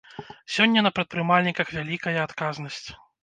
Сёння на прадпрымальніках вялікая адказнасць.